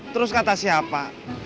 terus kata siapa